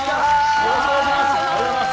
ありがとうございます。